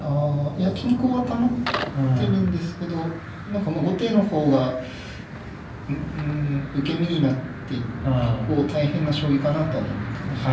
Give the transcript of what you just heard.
いや均衡は保ってるんですけど何かまあ後手の方がうん受け身になって結構大変な将棋かなとは思ってました。